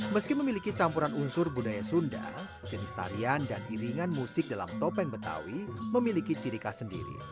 meski memiliki campuran unsur budaya sunda jenis tarian dan iringan musik dalam topeng betawi memiliki ciri khas sendiri